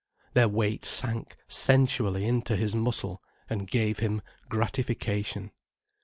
Their weight sank sensually into his muscle, and gave him gratification.